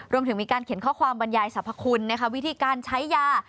รวมถึงมีการเขียนข้อความบรรยายสรรพคุณวิธีการใช้ยา